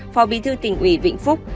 phò bi thư tỉnh ủy vĩnh phúc